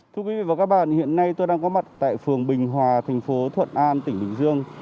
thưa quý vị và các bạn hiện nay tôi đang có mặt tại phường bình hòa thành phố thuận an tỉnh bình dương